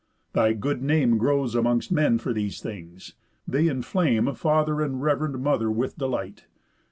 Thy good name Grows amongst men for these things; they inflame Father and rev'rend mother with delight.